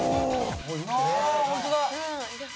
あホントだ！